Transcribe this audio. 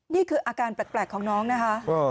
นี่คืออาการแปลกของน้องนะคะ